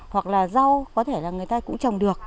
hoặc là rau có thể là người ta cũng trồng được